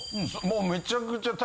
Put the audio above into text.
もうめちゃくちゃ。